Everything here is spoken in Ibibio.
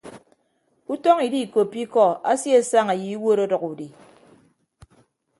Utọñ idiikoppo ikọ asiesaña ye iwuot ọdʌk udi.